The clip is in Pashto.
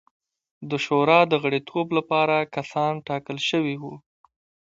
د شورا د غړیتوب لپاره کسان ټاکل شوي وو.